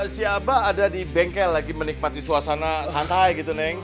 si abah ada di bengkel lagi menikmati suasana santai gitu neng